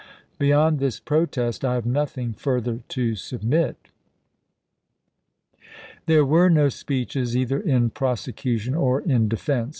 Beyond this protest, I p. 480. ' have nothing further to submit." There were no speeches either in prosecution or in defense.